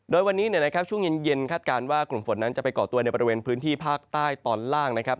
โดยวันนี้นะครับช่วงเย็นคาดการณ์ว่ากลุ่มฝนนั้นจะไปก่อตัวในบริเวณพื้นที่ภาคใต้ตอนล่างนะครับ